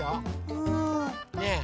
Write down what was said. うん。ねえ？